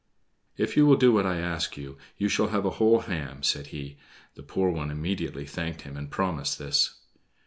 "If you will do what I ask you, you shall have a whole ham," said he. The poor one immediately thanked him and promised this.